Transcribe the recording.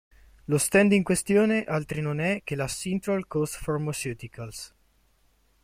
Lo stand in questione altri non è che la Central Coast Pharmaceuticals.